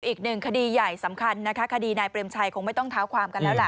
อีกหนึ่งคดีใหญ่สำคัญนะคะคดีนายเปรมชัยคงไม่ต้องเท้าความกันแล้วล่ะ